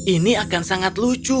ini akan sangat lucu